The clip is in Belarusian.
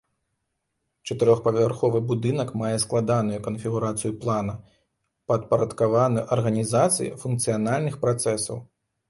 Чатырохпавярховы будынак мае складаную канфігурацыю плана, падпарадкаваную арганізацыі функцыянальных працэсаў.